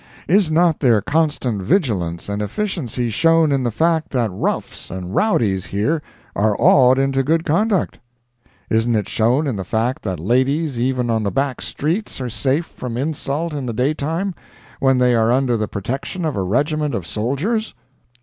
Is not their constant vigilance and efficiency shown in the fact that roughs and rowdies here are awed into good conduct?—isn't it shown in the fact that ladies even on the back streets are safe from insult in the daytime, when they are under the protection of a regiment of soldiers?